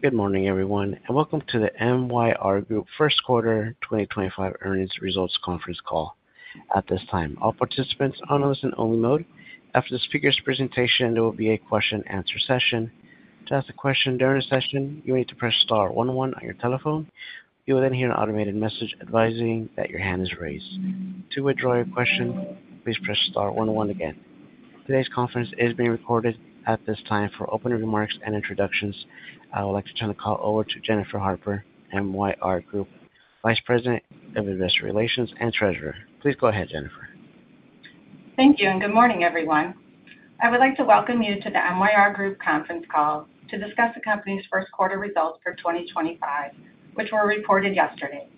Good morning, everyone, and welcome to the MYR Group First Quarter 2025 earnings results conference call. At this time, all participants are on a listen-only mode. After the speaker's presentation, there will be a question-and-answer session. To ask a question during the session, you'll need to press star one one on your telephone. You will then hear an automated message advising that your hand is raised. To withdraw your question, please press star one one again. Today's conference is being recorded. At this time for open remarks and introductions, I would like to turn the call over to Jennifer Harper, MYR Group Vice President of Investor Relations and Treasurer. Please go ahead, Jennifer. Thank you, and good morning, everyone. I would like to welcome you to the MYR Group conference call to discuss the company's first quarter results for 2025, which were reported yesterday.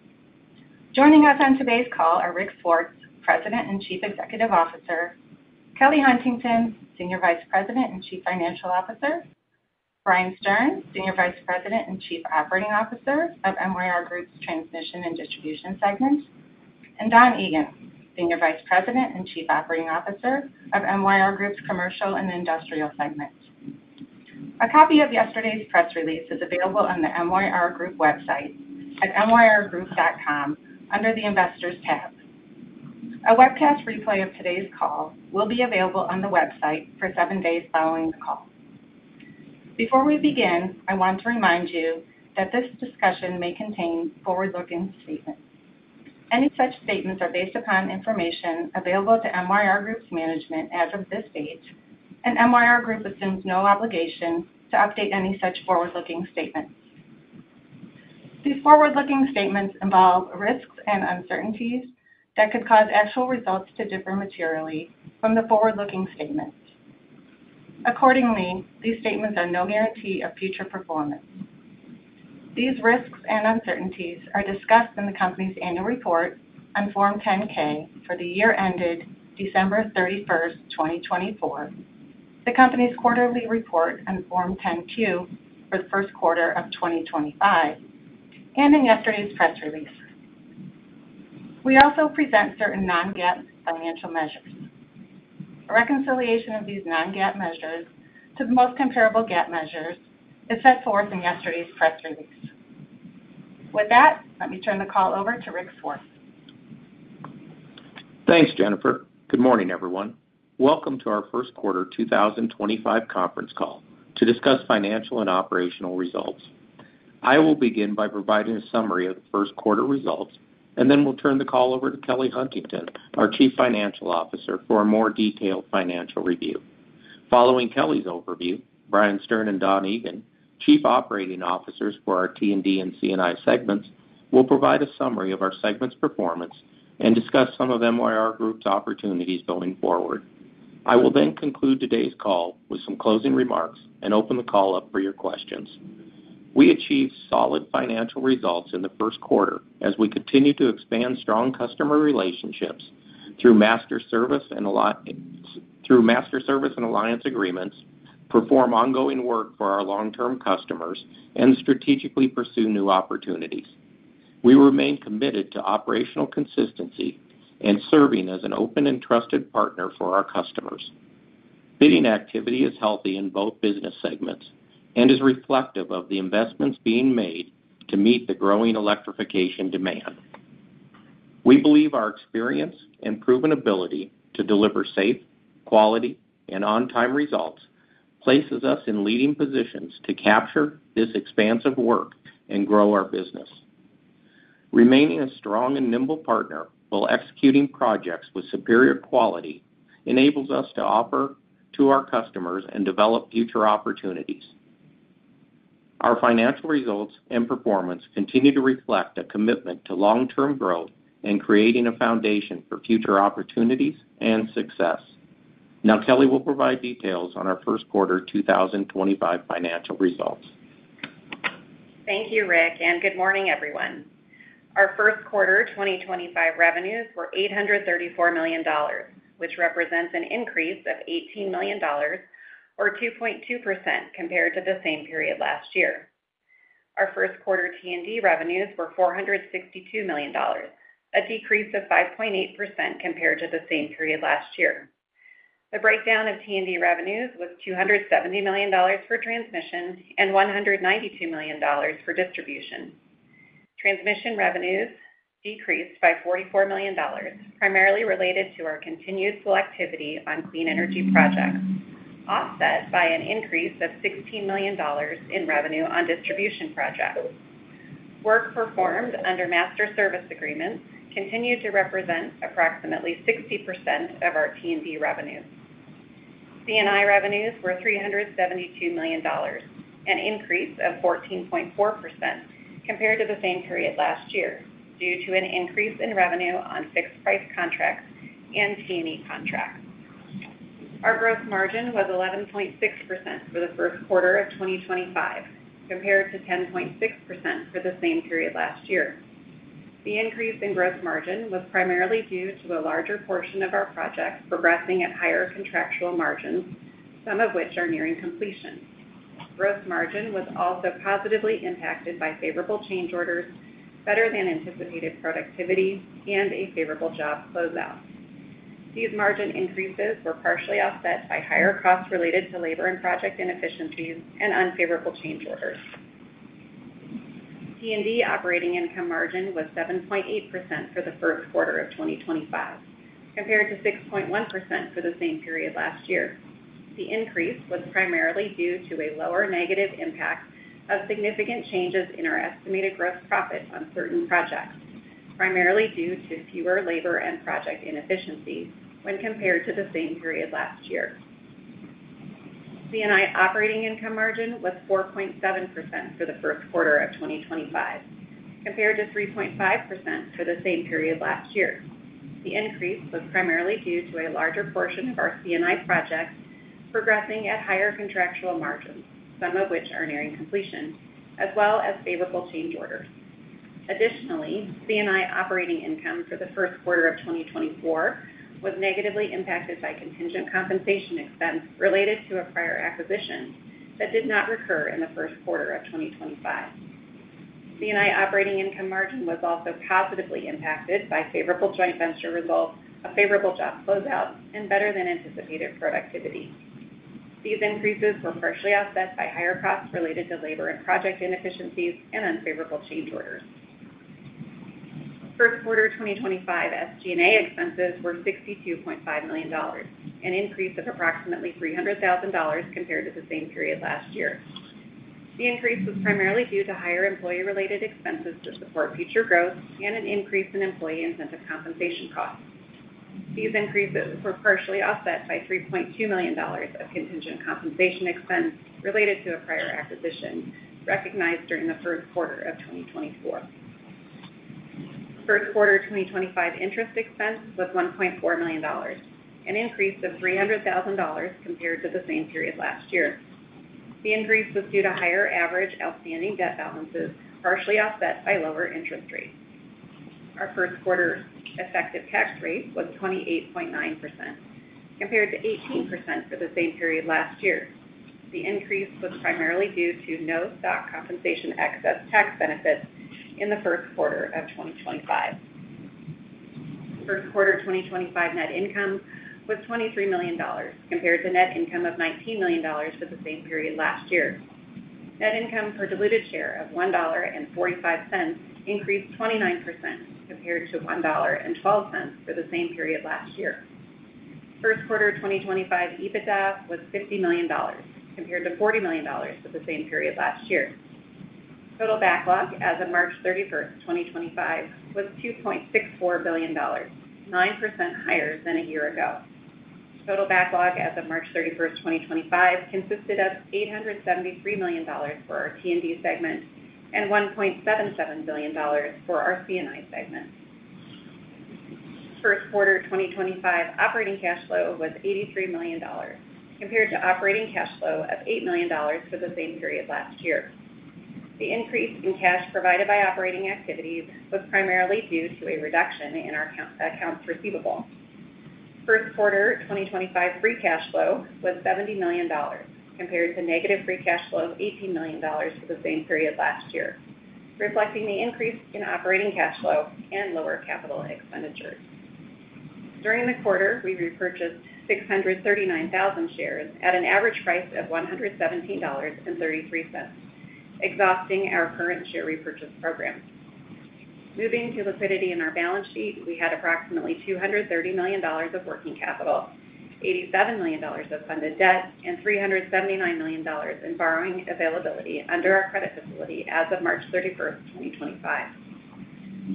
Joining us on today's call are Rick Swartz, President and Chief Executive Officer; Kelly Huntington, Senior Vice President and Chief Financial Officer; Brian Stern, Senior Vice President and Chief Operating Officer of MYR Group's Transmission and Distribution segment; and Don Egan, Senior Vice President and Chief Operating Officer of MYR Group's Commercial and Industrial segment. A copy of yesterday's press release is available on the MYR Group website at myrgroup.com under the investors tab. A webcast replay of today's call will be available on the website for seven days following the call. Before we begin, I want to remind you that this discussion may contain forward-looking statements. Any such statements are based upon information available to MYR Group's management as of this date, and MYR Group assumes no obligation to update any such forward-looking statements. These forward-looking statements involve risks and uncertainties that could cause actual results to differ materially from the forward-looking statements. Accordingly, these statements are no guarantee of future performance. These risks and uncertainties are discussed in the company's annual report on Form 10-K for the year ended December 31, 2024, the company's quarterly report on Form 10-Q for the first quarter of 2025, and in yesterday's press release. We also present certain non-GAAP financial measures. A reconciliation of these non-GAAP measures to the most comparable GAAP measures is set forth in yesterday's press release. With that, let me turn the call over to Rick Swartz. Thanks, Jennifer. Good morning, everyone. Welcome to our first quarter 2025 conference call to discuss financial and operational results. I will begin by providing a summary of the first quarter results, and then we'll turn the call over to Kelly Huntington, our Chief Financial Officer, for a more detailed financial review. Following Kelly's overview, Brian Stern and Don Egan, Chief Operating Officers for our T&D and C&I segments, will provide a summary of our segment's performance and discuss some of MYR Group's opportunities going forward. I will then conclude today's call with some closing remarks and open the call up for your questions. We achieved solid financial results in the first quarter as we continue to expand strong customer relationships through master service and alliance agreements, perform ongoing work for our long-term customers, and strategically pursue new opportunities. We remain committed to operational consistency and serving as an open and trusted partner for our customers. Bidding activity is healthy in both business segments and is reflective of the investments being made to meet the growing electrification demand. We believe our experience and proven ability to deliver safe, quality, and on-time results places us in leading positions to capture this expansive work and grow our business. Remaining a strong and nimble partner while executing projects with superior quality enables us to offer to our customers and develop future opportunities. Our financial results and performance continue to reflect a commitment to long-term growth and creating a foundation for future opportunities and success. Now, Kelly will provide details on our First Quarter 2025 financial results. Thank you, Rick, and good morning, everyone. Our first quarter 2025 revenues were $834 million, which represents an increase of $18 million, or 2.2%, compared to the same period last year. Our first quarter T&D revenues were $462 million, a decrease of 5.8% compared to the same period last year. The breakdown of T&D revenues was $270 million for transmission and $192 million for distribution. Transmission revenues decreased by $44 million, primarily related to our continued selectivity on clean energy projects, offset by an increase of $16 million in revenue on distribution projects. Work performed under master service agreements continued to represent approximately 60% of our T&D revenues. C&I revenues were $372 million, an increase of 14.4% compared to the same period last year due to an increase in revenue on fixed-price contracts and T&E contracts. Our gross margin was 11.6% for the first quarter of 2025, compared to 10.6% for the same period last year. The increase in gross margin was primarily due to a larger portion of our projects progressing at higher contractual margins, some of which are nearing completion. Gross margin was also positively impacted by favorable change orders, better-than-anticipated productivity, and a favorable job closeout. These margin increases were partially offset by higher costs related to labor and project inefficiencies and unfavorable change orders. T&D operating income margin was 7.8% for the first quarter of 2025, compared to 6.1% for the same period last year. The increase was primarily due to a lower negative impact of significant changes in our estimated gross profit on certain projects, primarily due to fewer labor and project inefficiencies when compared to the same period last year. C&I operating income margin was 4.7% for the first quarter of 2025, compared to 3.5% for the same period last year. The increase was primarily due to a larger portion of our C&I projects progressing at higher contractual margins, some of which are nearing completion, as well as favorable change orders. Additionally, C&I operating income for the first quarter of 2024 was negatively impacted by contingent compensation expense related to a prior acquisition that did not recur in the first quarter of 2025. C&I operating income margin was also positively impacted by favorable joint venture results, a favorable job closeout, and better-than-anticipated productivity. These increases were partially offset by higher costs related to labor and project inefficiencies and unfavorable change orders. First quarter 2025 SG&A expenses were $62.5 million, an increase of approximately $300,000 compared to the same period last year. The increase was primarily due to higher employee-related expenses to support future growth and an increase in employee incentive compensation costs. These increases were partially offset by $3.2 million of contingent compensation expense related to a prior acquisition recognized during the first quarter of 2024. First quarter 2025 interest expense was $1.4 million, an increase of $300,000 compared to the same period last year. The increase was due to higher average outstanding debt balances, partially offset by lower interest rates. Our first quarter effective tax rate was 28.9%, compared to 18% for the same period last year. The increase was primarily due to no stock compensation excess tax benefits in the first quarter of 2025. First quarter 2025 net income was $23 million, compared to net income of $19 million for the same period last year. Net income per diluted share of $1.45 increased 29% compared to $1.12 for the same period last year. First quarter 2025 EBITDA was $50 million, compared to $40 million for the same period last year. Total backlog as of March 31st, 2025, was $2.64 billion, 9% higher than a year ago. Total backlog as of March 31st, 2025, consisted of $873 million for our T&D segment and $1.77 billion for our C&I segment. First quarter 2025 operating cash flow was $83 million, compared to operating cash flow of $8 million for the same period last year. The increase in cash provided by operating activities was primarily due to a reduction in our accounts receivable. First quarter 2025 free cash flow was $70 million, compared to negative free cash flow of $18 million for the same period last year, reflecting the increase in operating cash flow and lower capital expenditures. During the quarter, we repurchased 639,000 shares at an average price of $117.33, exhausting our current share repurchase program. Moving to liquidity in our balance sheet, we had approximately $230 million of working capital, $87 million of funded debt, and $379 million in borrowing availability under our credit facility as of March 31st, 2025.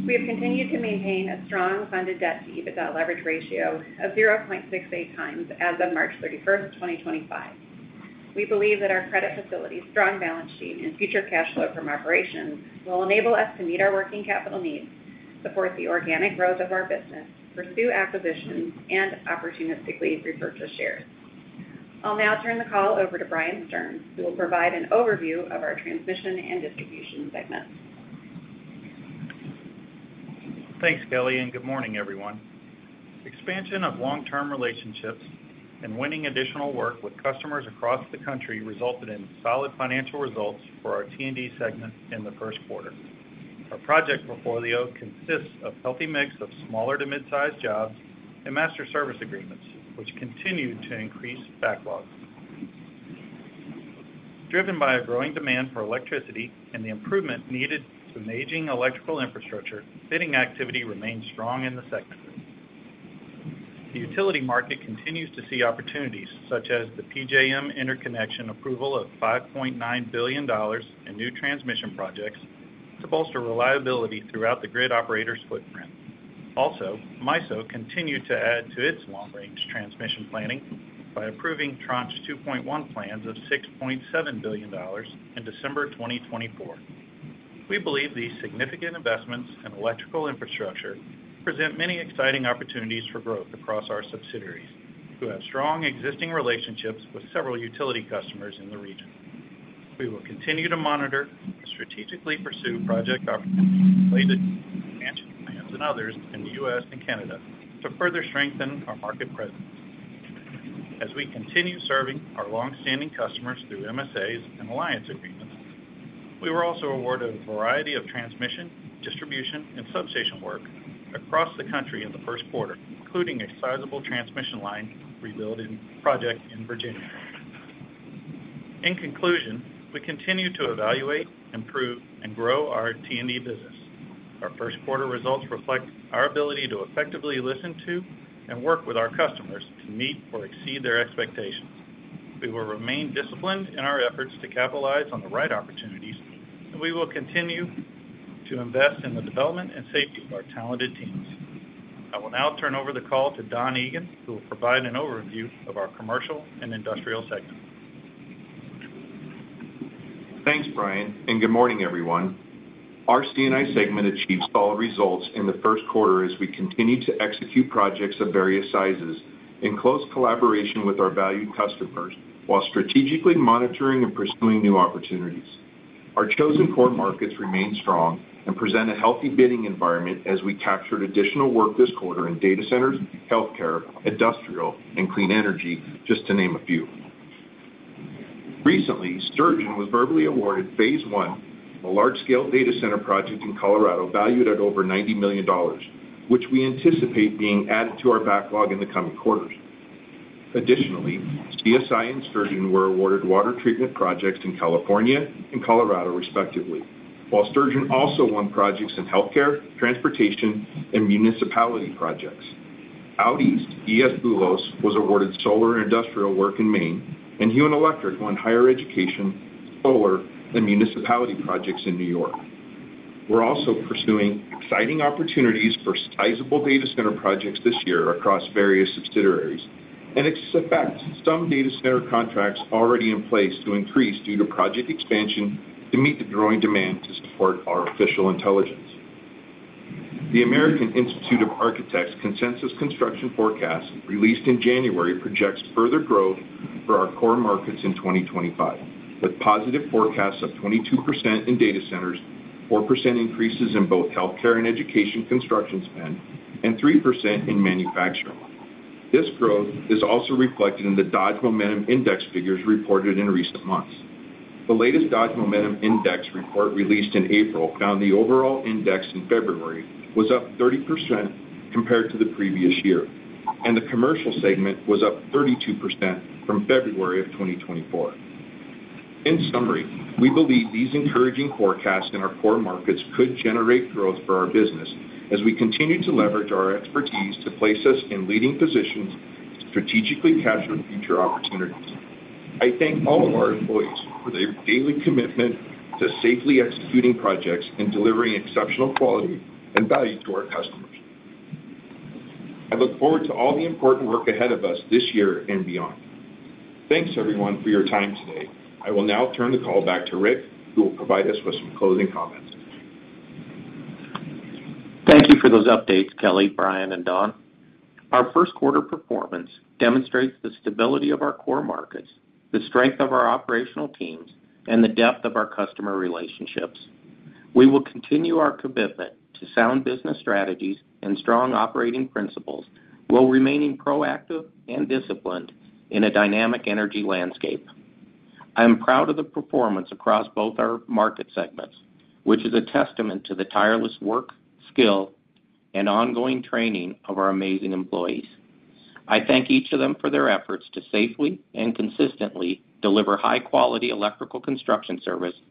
We have continued to maintain a strong funded debt-to-EBITDA leverage ratio of 0.68x as of March 31st, 2025. We believe that our credit facility's strong balance sheet and future cash flow from operations will enable us to meet our working capital needs, support the organic growth of our business, pursue acquisitions, and opportunistically repurchase shares. I'll now turn the call over to Brian Stern, who will provide an overview of our transmission and distribution segments. Thanks, Kelly, and good morning, everyone. Expansion of long-term relationships and winning additional work with customers across the country resulted in solid financial results for our T&D segment in the first quarter. Our project portfolio consists of a healthy mix of smaller to mid-sized jobs and master service agreements, which continued to increase backlog. Driven by a growing demand for electricity and the improvement needed to an aging electrical infrastructure, bidding activity remained strong in the segment. The utility market continues to see opportunities such as the PJM Interconnection approval of $5.9 billion in new transmission projects to bolster reliability throughout the grid operator's footprint. Also, MISO continued to add to its long-range transmission planning by approving Tranche 2.1 plans of $6.7 billion in December 2024. We believe these significant investments in electrical infrastructure present many exciting opportunities for growth across our subsidiaries, who have strong existing relationships with several utility customers in the region. We will continue to monitor and strategically pursue project opportunities related to expansion plans and others in the U.S. and Canada to further strengthen our market presence. As we continue serving our long-standing customers through MSAs and alliance agreements, we were also awarded a variety of transmission, distribution, and substation work across the country in the first quarter, including a sizable transmission line rebuilding project in Virginia. In conclusion, we continue to evaluate, improve, and grow our T&D business. Our first quarter results reflect our ability to effectively listen to and work with our customers to meet or exceed their expectations. We will remain disciplined in our efforts to capitalize on the right opportunities, and we will continue to invest in the development and safety of our talented teams. I will now turn over the call to Don Egan, who will provide an overview of our commercial and industrial segment. Thanks, Brian, and good morning, everyone. Our C&I segment achieved solid results in the first quarter as we continued to execute projects of various sizes in close collaboration with our valued customers while strategically monitoring and pursuing new opportunities. Our chosen core markets remained strong and present a healthy bidding environment as we captured additional work this quarter in data centers, healthcare, industrial, and clean energy, just to name a few. Recently, Sturgeon was verbally awarded phase I of a large-scale data center project in Colorado valued at over $90 million, which we anticipate being added to our backlog in the coming quarters. Additionally, CSI and Sturgeon were awarded water treatment projects in California and Colorado, respectively, while Sturgeon also won projects in healthcare, transportation, and municipality projects. Out East, E.S. Boulos was awarded solar and industrial work in Maine, and Huen Electric won higher education, solar, and municipality projects in New York. We are also pursuing exciting opportunities for sizable data center projects this year across various subsidiaries, and it has effect some data center contracts already in place to increase due to project expansion to meet the growing demand to support our artificial intelligence. The American Institute of Architects' Consensus Construction Forecast released in January projects further growth for our core markets in 2025, with positive forecasts of 22% in data centers, 4% increases in both healthcare and education construction spend, and 3% in manufacturing. This growth is also reflected in the Dodge Momentum Index figures reported in recent months. The latest Dodge Momentum Index report released in April found the overall index in February was up 30% compared to the previous year, and the commercial segment was up 32% from February of 2024. In summary, we believe these encouraging forecasts in our core markets could generate growth for our business as we continue to leverage our expertise to place us in leading positions to strategically capture future opportunities. I thank all of our employees for their daily commitment to safely executing projects and delivering exceptional quality and value to our customers. I look forward to all the important work ahead of us this year and beyond. Thanks, everyone, for your time today. I will now turn the call back to Rick, who will provide us with some closing comments. Thank you for those updates, Kelly, Brian, and Don. Our first quarter performance demonstrates the stability of our core markets, the strength of our operational teams, and the depth of our customer relationships. We will continue our commitment to sound business strategies and strong operating principles while remaining proactive and disciplined in a dynamic energy landscape. I am proud of the performance across both our market segments, which is a testament to the tireless work, skill, and ongoing training of our amazing employees. I thank each of them for their efforts to safely and consistently deliver high-quality electrical construction services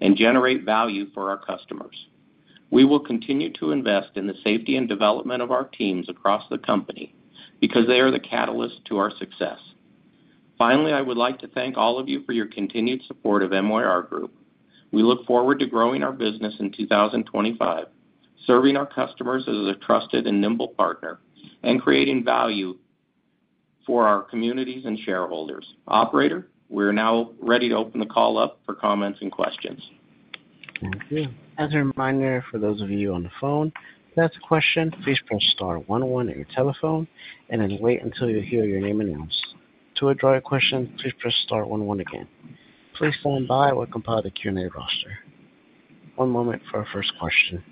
and generate value for our customers. We will continue to invest in the safety and development of our teams across the company because they are the catalyst to our success. Finally, I would like to thank all of you for your continued support of MYR Group. We look forward to growing our business in 2025, serving our customers as a trusted and nimble partner, and creating value for our communities and shareholders. Operator, we're now ready to open the call up for comments and questions. Thank you. As a reminder, for those of you on the phone, if you have a question, please press star one one on your telephone and then wait until you hear your name announced. To withdraw your question, please press star one one again. Please stand by while I compile the Q&A roster. One moment for our first question.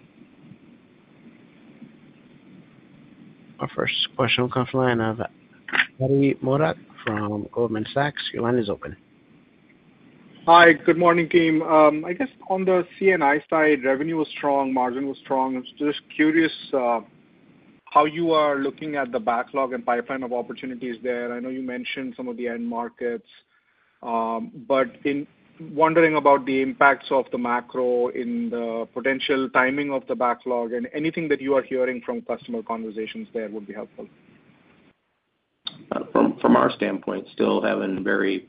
Our first question will come from Ati Modak from Goldman Sachs. Your line is open. Hi, good morning, team. I guess on the C&I side, revenue was strong, margin was strong. I'm just curious how you are looking at the backlog and pipeline of opportunities there. I know you mentioned some of the end markets, but wondering about the impacts of the macro in the potential timing of the backlog and anything that you are hearing from customer conversations there would be helpful. From our standpoint, still having very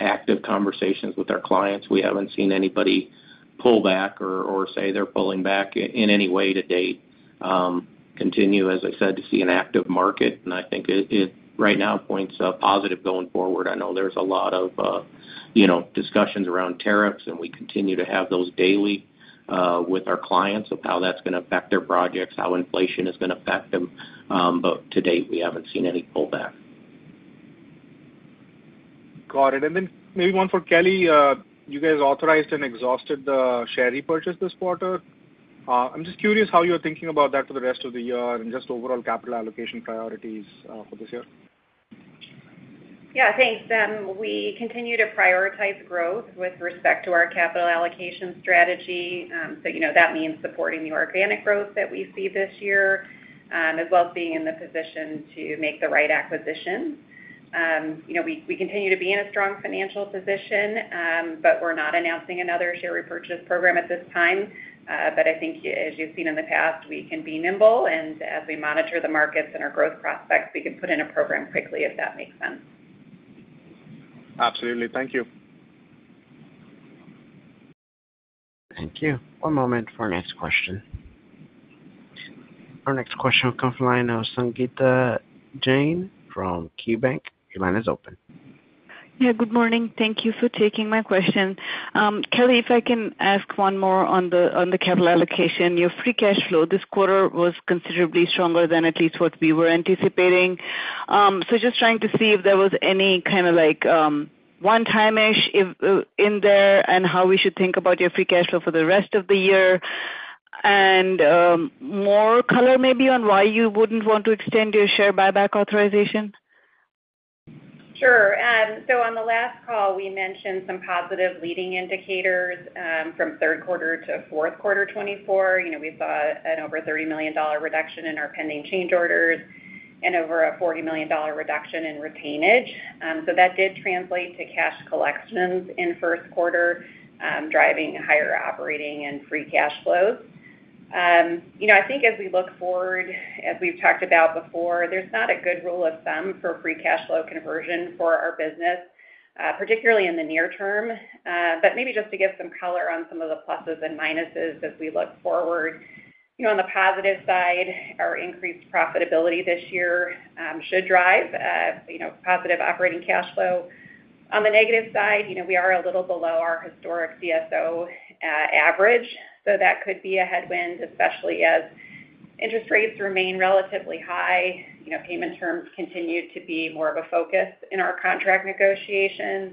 active conversations with our clients. We haven't seen anybody pull back or say they're pulling back in any way to date. Continue, as I said, to see an active market, and I think it right now points a positive going forward. I know there's a lot of discussions around tariffs, and we continue to have those daily with our clients of how that's going to affect their projects, how inflation is going to affect them, but to date, we haven't seen any pullback. Got it. Maybe one for Kelly. You guys authorized and exhausted the share repurchase this quarter. I'm just curious how you're thinking about that for the rest of the year and just overall capital allocation priorities for this year? Yeah, thanks. We continue to prioritize growth with respect to our capital allocation strategy. That means supporting the organic growth that we see this year, as well as being in the position to make the right acquisitions. We continue to be in a strong financial position, but we're not announcing another share repurchase program at this time. I think, as you've seen in the past, we can be nimble, and as we monitor the markets and our growth prospects, we can put in a program quickly, if that makes sense. Absolutely. Thank you. Thank you. One moment for our next question. Our next question will come from Sangita Jain from KeyBanc. Your line is open. Yeah, good morning. Thank you for taking my question. Kelly, if I can ask one more on the capital allocation. Your free cash flow this quarter was considerably stronger than at least what we were anticipating. Just trying to see if there was any kind of one-time-ish in there and how we should think about your free cash flow for the rest of the year? More color maybe on why you wouldn't want to extend your share buyback authorization? Sure. On the last call, we mentioned some positive leading indicators from third quarter to fourth quarter 2024. We saw an over $30 million reduction in our pending change orders and over a $40 million reduction in retainage. That did translate to cash collections in first quarter, driving higher operating and free cash flows. I think as we look forward, as we've talked about before, there's not a good rule of thumb for free cash flow conversion for our business, particularly in the near term. Maybe just to give some color on some of the pluses and minuses as we look forward, on the positive side, our increased profitability this year should drive positive operating cash flow. On the negative side, we are a little below our historic CFO average, so that could be a headwind, especially as interest rates remain relatively high. Payment terms continue to be more of a focus in our contract negotiations.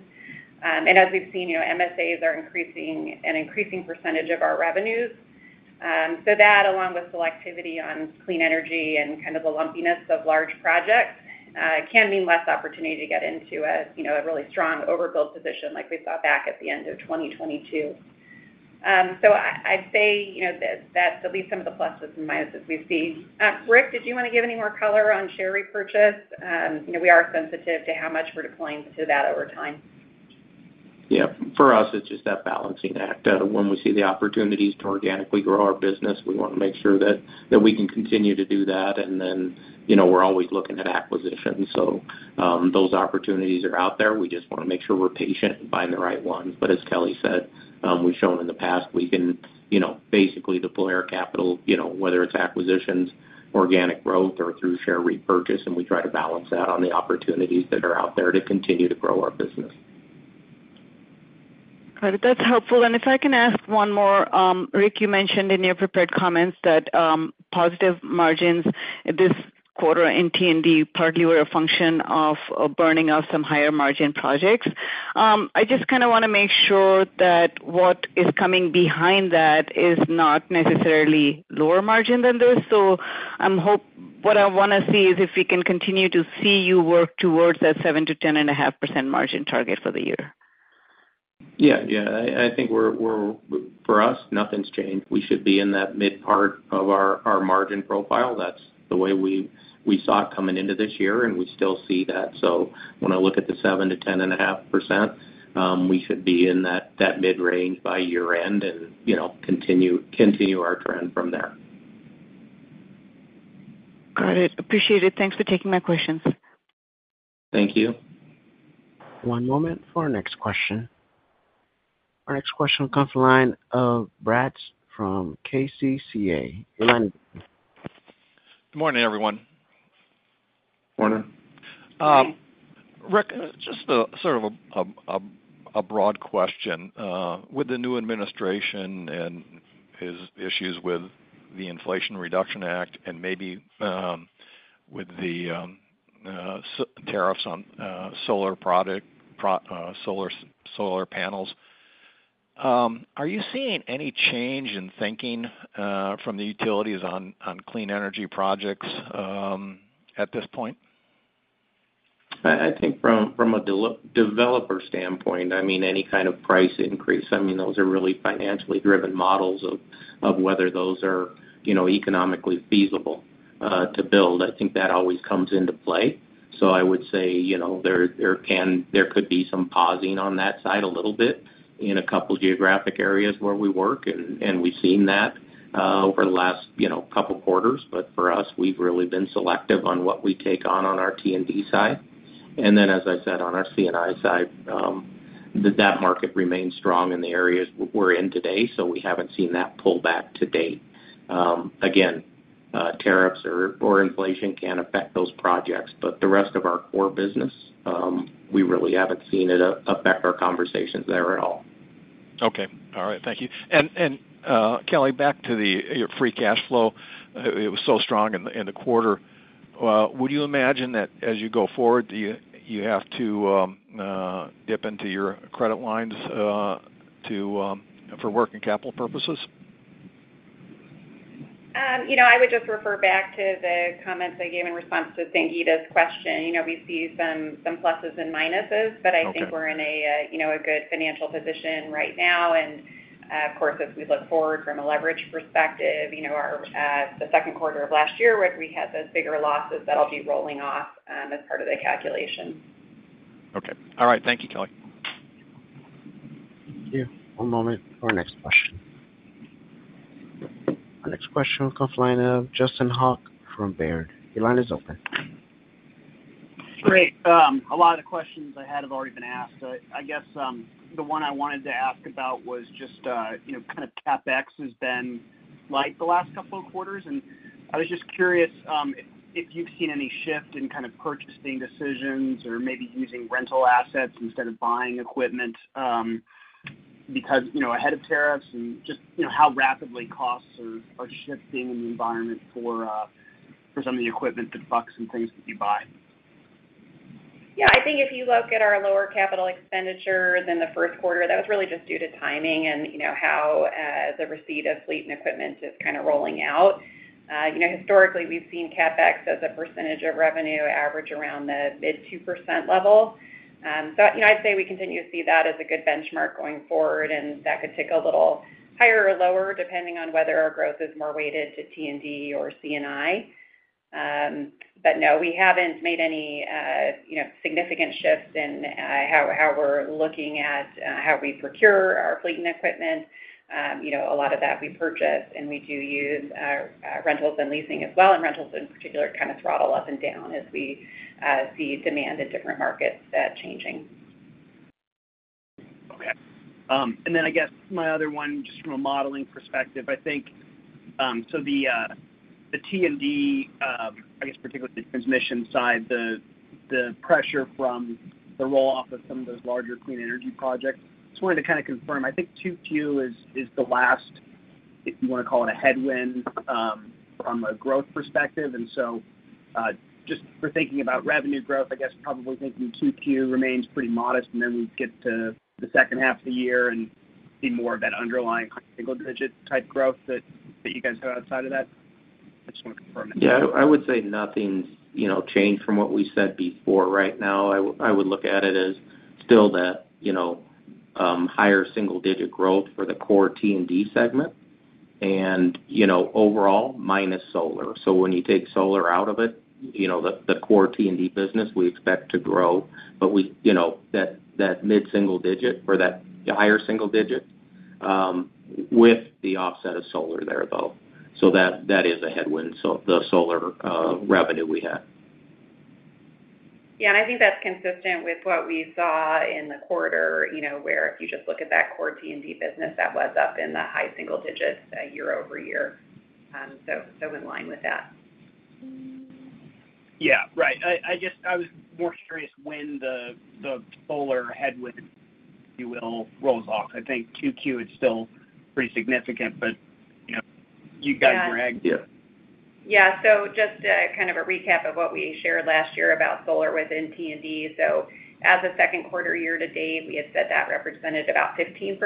As we've seen, MSAs are increasing an increasing percentage of our revenues. That, along with selectivity on clean energy and kind of the lumpiness of large projects, can mean less opportunity to get into a really strong overbuild position like we saw back at the end of 2022. I'd say that's at least some of the pluses and minuses we see. Rick, did you want to give any more color on share repurchase? We are sensitive to how much we're deploying to that over time. Yeah. For us, it's just that balancing act. When we see the opportunities to organically grow our business, we want to make sure that we can continue to do that. We are always looking at acquisitions. Those opportunities are out there. We just want to make sure we're patient and buying the right ones. As Kelly said, we've shown in the past we can basically deploy our capital, whether it's acquisitions, organic growth, or through share repurchase, and we try to balance that on the opportunities that are out there to continue to grow our business. Got it. That's helpful. If I can ask one more, Rick, you mentioned in your prepared comments that positive margins this quarter in T&D partly were a function of burning off some higher margin projects. I just kind of want to make sure that what is coming behind that is not necessarily lower margin than this. What I want to see is if we can continue to see you work towards that 7%-10.5% margin target for the year. Yeah, yeah. I think for us, nothing's changed. We should be in that mid part of our margin profile. That's the way we saw it coming into this year, and we still see that. When I look at the 7%-10.5%, we should be in that mid range by year-end and continue our trend from there. Got it. Appreciate it. Thanks for taking my questions. Thank you. One moment for our next question. Our next question will come from Jonathan Braatz from KCCA. Your line. Good morning, everyone. Morning. Rick, just sort of a broad question. With the new administration and his issues with the Inflation Reduction Act and maybe with the tariffs on solar panels, are you seeing any change in thinking from the utilities on clean energy projects at this point? I think from a developer standpoint, I mean, any kind of price increase, I mean, those are really financially driven models of whether those are economically feasible to build. I think that always comes into play. I would say there could be some pausing on that side a little bit in a couple of geographic areas where we work, and we've seen that over the last couple of quarters. For us, we've really been selective on what we take on on our T&D side. As I said, on our C&I side, that market remains strong in the areas we're in today, so we haven't seen that pullback to date. Again, tariffs or inflation can affect those projects, but the rest of our core business, we really haven't seen it affect our conversations there at all. Okay. All right. Thank you. Kelly, back to your free cash flow, it was so strong in the quarter. Would you imagine that as you go forward, you have to dip into your credit lines for working capital purposes? I would just refer back to the comments I gave in response to Sangita's question. We see some pluses and minuses, but I think we're in a good financial position right now. As we look forward from a leverage perspective, the second quarter of last year where we had those bigger losses, that'll be rolling off as part of the calculation. Okay. All right. Thank you, Kelly. Thank you. One moment for our next question. Our next question will come from the line of Justin Hauke from Baird. Your line is open. Great. A lot of the questions I had have already been asked. I guess the one I wanted to ask about was just kind of CapEx has been light the last couple of quarters. I was just curious if you've seen any shift in kind of purchasing decisions or maybe using rental assets instead of buying equipment because ahead of tariffs and just how rapidly costs are shifting in the environment for some of the equipment, the bucks and things that you buy. Yeah. I think if you look at our lower capital expenditure than the first quarter, that was really just due to timing and how the receipt of fleet and equipment is kind of rolling out. Historically, we've seen CapEx as a percentage of revenue average around the mid 2% level. I'd say we continue to see that as a good benchmark going forward, and that could tick a little higher or lower depending on whether our growth is more weighted to T&D or C&I. No, we haven't made any significant shifts in how we're looking at how we procure our fleet and equipment. A lot of that we purchase, and we do use rentals and leasing as well. Rentals in particular kind of throttle up and down as we see demand in different markets changing. Okay. I guess my other one, just from a modeling perspective, I think the T&D, particularly the transmission side, the pressure from the roll-off of some of those larger clean energy projects. Just wanted to kind of confirm. I think 2Q is the last, if you want to call it a headwind from a growth perspective. Just for thinking about revenue growth, I guess probably thinking 2Q remains pretty modest, and then we get to the second half of the year and see more of that underlying single-digit type growth that you guys have outside of that. I just want to confirm that. Yeah. I would say nothing's changed from what we said before. Right now, I would look at it as still that higher single-digit growth for the core T&D segment and overall minus solar. When you take solar out of it, the core T&D business, we expect to grow, but that mid single digit or that higher single digit with the offset of solar there, though. That is a headwind to the solar revenue we had. Yeah. I think that's consistent with what we saw in the quarter where if you just look at that core T&D business, that was up in the high single digits year-over-year. In line with that. Yeah. Right. I was more curious when the solar headwind, if you will, rolls off. I think 2Q is still pretty significant, but you guys were aggregating. Yeah. Yeah. Just kind of a recap of what we shared last year about solar within T&D. As of the second quarter year-to-date, we had said that represented about 15%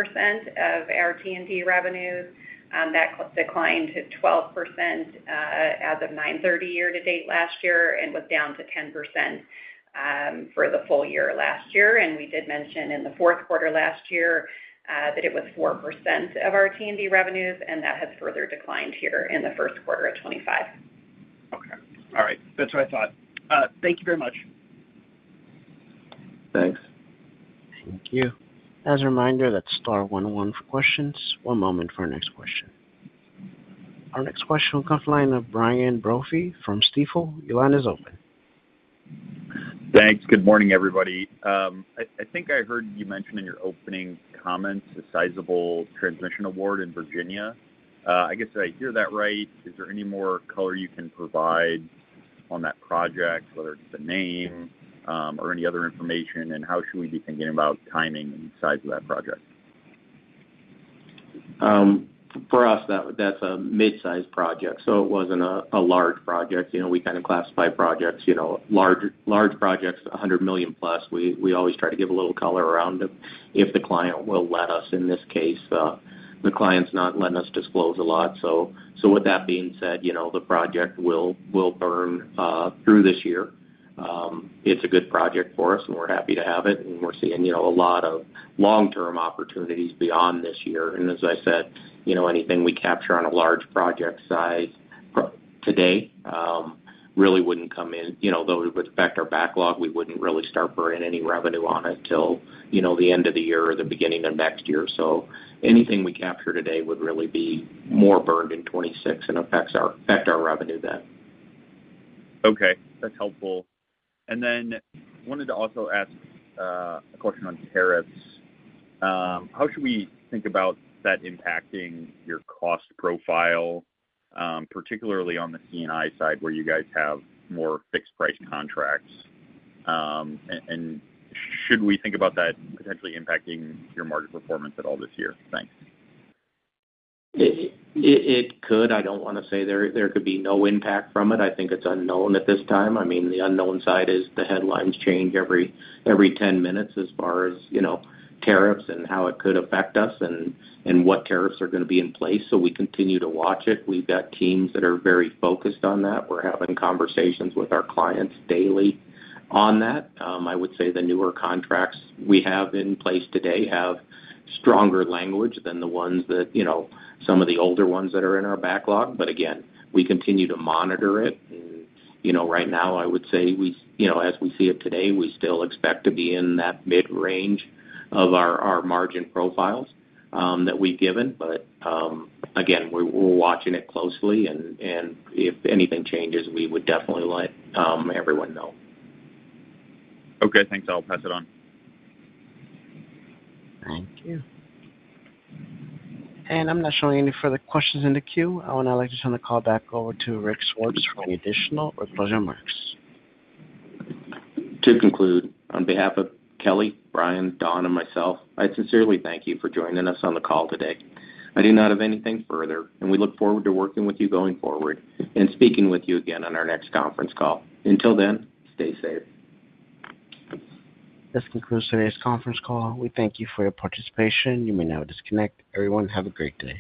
of our T&D revenues. That declined to 12% as of 09/30/2024 year-to-date last year and was down to 10% for the full year last year. We did mention in the fourth quarter last year that it was 4% of our T&D revenues, and that has further declined here in the first quarter of 2025. Okay. All right. That's what I thought. Thank you very much. Thanks. Thank you. As a reminder, that's Star 101 for questions. One moment for our next question. Our next question will come from the line of Brian Brophy from Stifel. Your line is open. Thanks. Good morning, everybody. I think I heard you mention in your opening comments the sizable transmission award in Virginia. I guess did I hear that right? Is there any more color you can provide on that project, whether it's the name or any other information, and how should we be thinking about timing and size of that project? For us, that's a mid-sized project. It wasn't a large project. We kind of classify projects, large projects, $100 million plus. We always try to give a little color around it if the client will let us. In this case, the client's not letting us disclose a lot. With that being said, the project will burn through this year. It's a good project for us, and we're happy to have it. We're seeing a lot of long-term opportunities beyond this year. As I said, anything we capture on a large project size today really wouldn't come in. Though it would affect our backlog, we wouldn't really start burning any revenue on it till the end of the year or the beginning of next year. Anything we capture today would really be more burned in 2026 and affect our revenue then. Okay. That's helpful. I wanted to also ask a question on tariffs. How should we think about that impacting your cost profile, particularly on the C&I side where you guys have more fixed-price contracts? Should we think about that potentially impacting your market performance at all this year? Thanks. It could. I don't want to say there could be no impact from it. I think it's unknown at this time. I mean, the unknown side is the headlines change every 10 minutes as far as tariffs and how it could affect us and what tariffs are going to be in place. We continue to watch it. We've got teams that are very focused on that. We're having conversations with our clients daily on that. I would say the newer contracts we have in place today have stronger language than the ones that some of the older ones that are in our backlog. We continue to monitor it. Right now, I would say as we see it today, we still expect to be in that mid range of our margin profiles that we've given. We are watching it closely. If anything changes, we would definitely let everyone know. Okay. Thanks. I'll pass it on. Thank you. I'm not showing any further questions in the queue. I would now like to turn the call back over to Rick Swartz for any additional or closing remarks. To conclude, on behalf of Kelly, Brian, Don, and myself, I sincerely thank you for joining us on the call today. I do not have anything further, and we look forward to working with you going forward and speaking with you again on our next conference call. Until then, stay safe. This concludes today's conference call. We thank you for your participation. You may now disconnect. Everyone, have a great day.